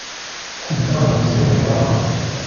Teǧǧa adlis-nni deg beṛṛa.